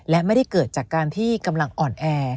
และไม่ได้เกิดจากการที่กำลังอ่อนแอ